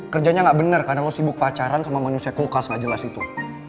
kerjanya gak bener karena lo sibuk pacaran sama manusia kulkas gak jelas itu